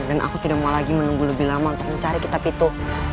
dan aku tidak mau lagi menunggu lebih lama untuk mencari kita begitu